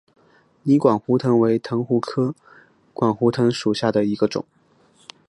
泥管藤壶为藤壶科管藤壶属下的一个种。